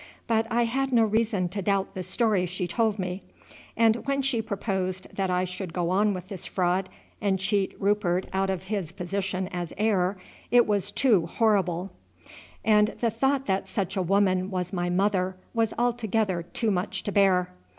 But I had no reason to doubt the story she told me, and when she proposed that I should go on with this fraud and cheat Rupert out of his position as heir, it was too horrible, and the thought that such a woman was my mother was altogether too much to bear.